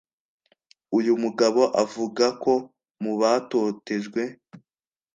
uyu mugabo avuga ko mu batotejwe